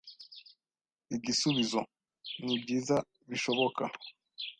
Igisubizo: nibyiza bishoboka!